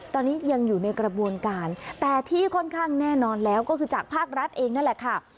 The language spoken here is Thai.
ตอนนี้ยังอยู่ในกระบวนการแต่ที่ค่อนข้างแน่นอนแล้วก็คือจากภาครัฐเองนั่นแหละค่ะ